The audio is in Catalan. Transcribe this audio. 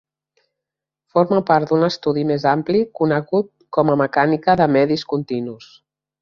Forma part d'un estudi més ampli conegut com a mecànica de medis continus.